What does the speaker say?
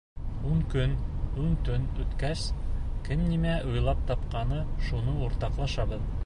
Ун кон, ун төн үткәс, кем нимә уйлап тапҡан, шуны уртаҡлашабыҙ.